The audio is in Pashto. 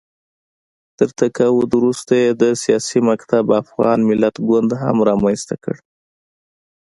تر تقاعد وروسته یې د سیاسي مکتب افغان ملت ګوند هم رامنځته کړ